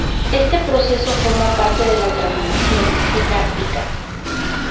Este proceso forma parte de la transmisión sináptica.